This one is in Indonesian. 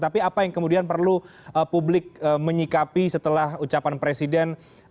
tapi apa yang kemudian perlu publik menyikapi setelah ucapan presiden